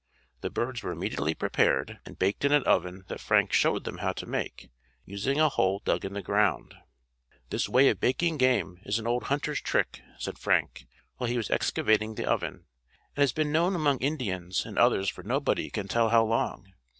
The birds were immediately prepared and baked in an oven that Frank showed them how to make, using a hole dug in the ground. "This way of baking game is an old hunter's trick," said Frank, while he was excavating the oven, "and has been known among Indians and others for nobody can tell how long.